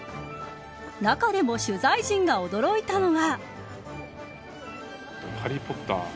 中でも、取材陣が驚いたのが。